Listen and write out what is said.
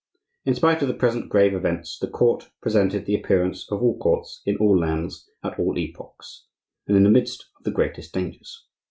In spite of the present grave events, the court presented the appearance of all courts in all lands, at all epochs, and in the midst of the greatest dangers.